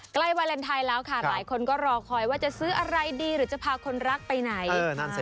วาเลนไทยแล้วค่ะหลายคนก็รอคอยว่าจะซื้ออะไรดีหรือจะพาคนรักไปไหน